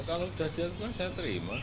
kalau jajan kan saya terima